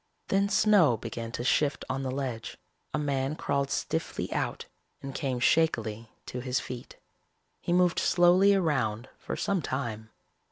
Then snow began to shift on the ledge. A man crawled stiffly out and came shakily to his feet. He moved slowly around for some time.